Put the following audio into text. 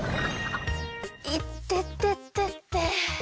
いてててて。